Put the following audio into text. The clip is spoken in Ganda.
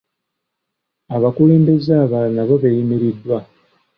Abakulembeze abalala nabo beeyimiriddwa.